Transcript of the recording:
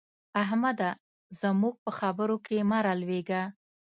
احمده! زموږ په خبرو کې مه رالوېږه.